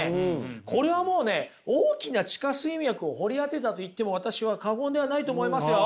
これはもうね大きな地下水脈を掘り当てたと言っても私は過言ではないと思いますよ。